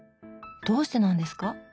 どうしてなんですか？